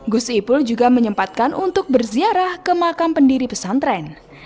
gus ipul juga menyempatkan untuk berziarah ke makam pendiri pesantren